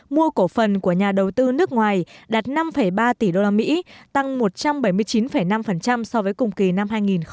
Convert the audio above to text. mua cổ phần của nhà đầu tư nước ngoài đạt năm ba tỷ usd tăng một trăm bảy mươi chín năm so với cùng kỳ năm hai nghìn một mươi chín